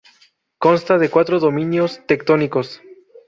Consta de cuatro dominios tectónicos.